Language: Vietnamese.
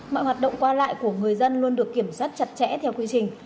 mọi hoạt động qua lại của người dân luôn được kiểm soát chặt chẽ theo quy trình